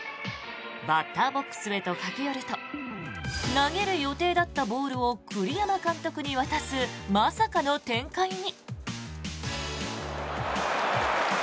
バッターボックスへと駆け寄ると投げる予定だったボールを栗山監督に渡すまさかの展開に。